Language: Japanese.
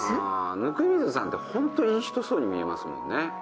温水さんってホントいい人そうに見えますもんね。